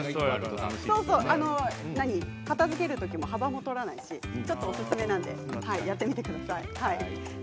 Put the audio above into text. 片づけるときも幅も取らないのでおすすめですやってみてください。